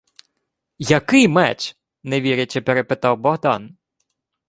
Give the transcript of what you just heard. — Який меч?.. — не вірячи, перепитав Богдан.